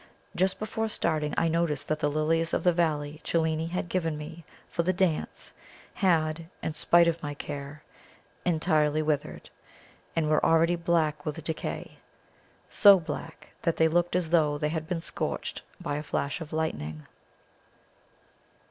Just before starting I noticed that the lilies of the valley Cellini had given me for the dance had, in spite of my care, entirely withered, and were already black with decay so black that they looked as though they had been scorched by a flash of lightning.